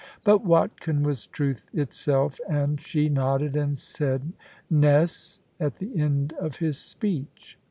But Watkin was truth itself, and she nodded, and said "Ness," at the end of his speech.